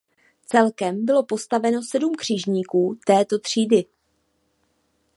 Celkem bylo postaveno sedm křižníků této třídy.